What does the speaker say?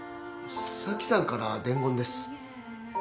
咲さんから伝言です。